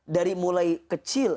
dari mulai kecil